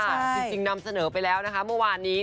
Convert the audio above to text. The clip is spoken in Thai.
จริงนำเสนอไปแล้วนะคะเมื่อวานนี้